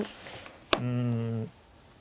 うん。